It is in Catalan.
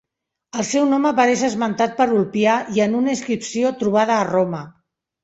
El seu nom apareix esmentat per Ulpià i en una inscripció trobada a Roma.